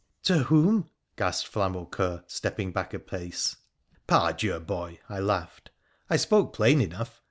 ' To whom ?' gasped Flamaucoeur, stepping back a pace. ' Par Dieu, boy !' I laughed. ' I spoke plain enough